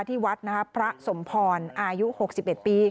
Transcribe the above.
ที่วัดพระสมพรอายุ๖๑ปี